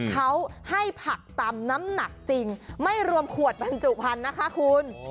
เขาให้ผักตำน้ำหนักจริงไม่รวมขวดบรรจุพันธุ์นะคะคุณ